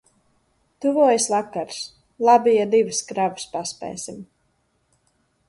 Tuvojas vakars. Labi, ja divas kravas paspēsim.